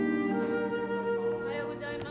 おはようございます。